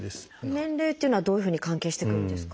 年齢っていうのはどういうふうに関係してくるんですか？